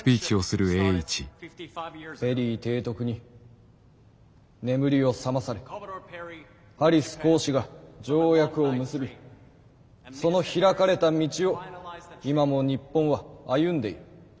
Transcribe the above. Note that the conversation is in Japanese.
「ペリー提督に眠りを覚まされハリス公使が条約を結びその開かれた道を今も日本は歩んでいる。